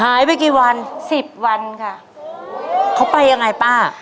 หายไปกี่วันสิบวันค่ะเขาไปยังไงป้า